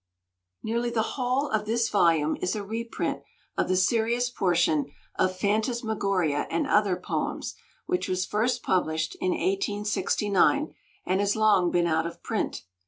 Nearly the whole of this volume is a reprint of the serious portion of Phantasmagoria and other Poems, which was first published in 1869 and has long been out of print.